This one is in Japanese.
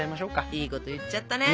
いいこと言っちゃったね